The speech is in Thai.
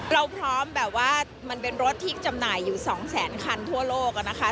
เราพร้อมแบบว่ามันเป็นรถที่จำหน่ายอยู่๒แสนคันทั่วโลกนะคะ